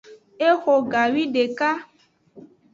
Exo gawideka.